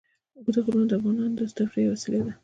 اوږده غرونه د افغانانو د تفریح یوه وسیله ده.